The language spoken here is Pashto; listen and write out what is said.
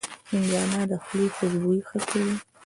هندوانه د خولې خوشبويي ښه کوي.